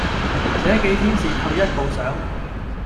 這幾天是退一步想：